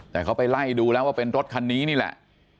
แต่เขาไปไล่ดูแล้วว่าเป็นรถคันนี้นี่แหละ